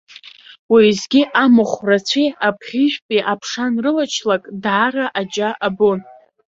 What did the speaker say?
Уеизгьы, амахә рацәеи абӷьы жәпеи аԥша анрылачлак, даара аџьа абон.